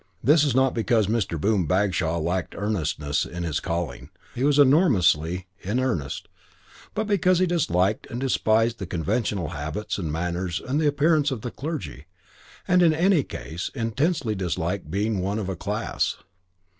This was not because Mr. Boom Bagshaw lacked earnestness in his calling, for he was enormously in earnest, but because he disliked and despised the conventional habits and manners and appearance of the clergy and, in any case, intensely disliked being one of a class.